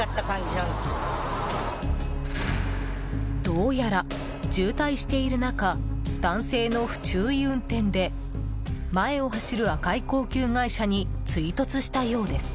どうやら渋滞している中男性の不注意運転で前を走る赤い高級外車に追突したようです。